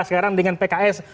sekarang dengan pks